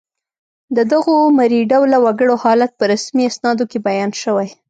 د دغو مري ډوله وګړو حالت په رسمي اسنادو کې بیان شوی